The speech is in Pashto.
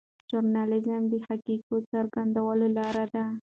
ژورنالیزم د حقایقو څرګندولو لاره ده.